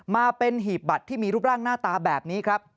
มาเป็นหีบบัตรที่มีรูปร่างหน้าตาแบบนี้ครับ